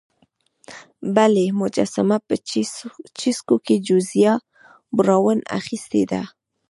بله مجسمه په چیسوک کې جوزیا براون اخیستې ده.